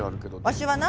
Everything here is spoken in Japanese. わしはな